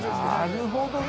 なるほどね。